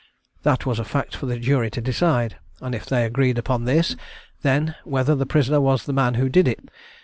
That was a fact for the jury to decide; and if they agreed upon this, then, whether the prisoner was the man who did it.